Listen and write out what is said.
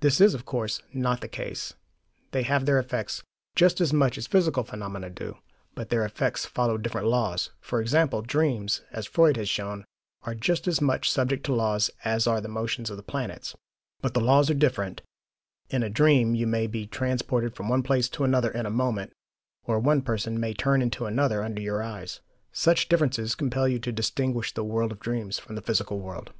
This is, of course, not the case: they have their effects, just as much as physical phenomena do, but their effects follow different laws. For example, dreams, as Freud has shown, are just as much subject to laws as are the motions of the planets. But the laws are different: in a dream you may be transported from one place to another in a moment, or one person may turn into another under your eyes. Such differences compel you to distinguish the world of dreams from the physical world.